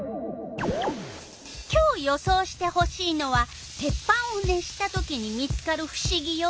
今日予想してほしいのは鉄板を熱したときに見つかるふしぎよ。